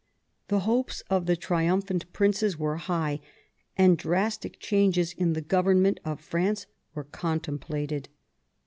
The hopes of the triumphant princes were high, and drastic changes in the government of France were contemplated.